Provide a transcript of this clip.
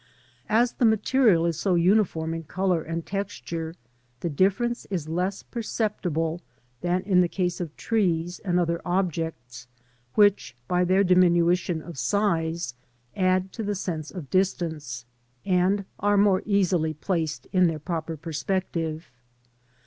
As the material is so uniform in colour and texture, the difference is less perceptible than in the case of trees and other objects, which by their diminution of size add to the sense of distance, and are more easily placed in their proper perspective.